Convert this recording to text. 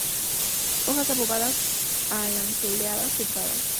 Hojas obovadas a lanceoladas, sentadas.